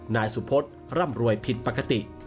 นายสุพศร่ำรวยผิดปกติ